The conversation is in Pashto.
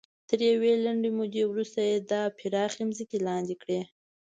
تر یوې لنډې مودې وروسته یې پراخې ځمکې لاندې کړې.